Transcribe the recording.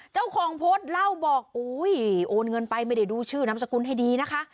เจ้าของโพสต์เล่าบอกอุ้ยโอนเงินไปไม่ได้ดูชื่อนามสกุลให้ดีนะคะ